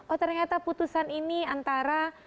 oh ternyata putusan ini antara